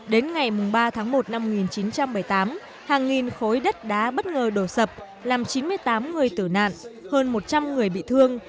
đến ngày ba tháng một năm một nghìn chín trăm bảy mươi tám hàng nghìn khối đất đá bất ngờ đổ sập làm chín mươi tám người tử nạn hơn một trăm linh người bị thương